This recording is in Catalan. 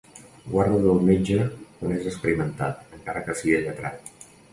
Guarda't del metge que no és experimentat, encara que sia lletrat.